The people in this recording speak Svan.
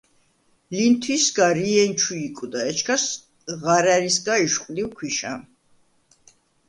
ლინთვისგა რიენ ჩუ იკვდა, ეჩქას ღარა̈რისგა იშყვდივ ქვიშა.